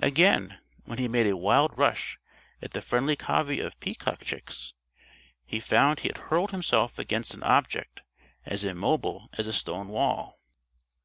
Again, when he made a wild rush at the friendly covey of peacock chicks, he found he had hurled himself against an object as immobile as a stone wall.